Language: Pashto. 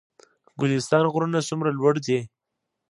ګلستان غرونه څومره لوړ دي؟